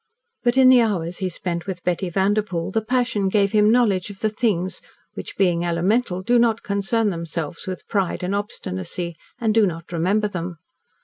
But in the hours he spent with Betty Vanderpoel the passion gave him knowledge of the things which, being elemental, do not concern themselves with pride and obstinacy, and do not remember them.